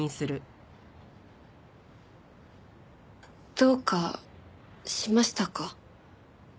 どうかしましたか？